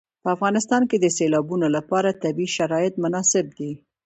په افغانستان کې د سیلابونو لپاره طبیعي شرایط مناسب دي.